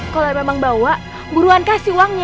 kalau memang bawa buruan kasih uangnya